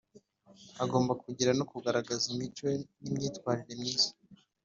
agomba kugira no kugaragaza imico n’imyitwarire myiza.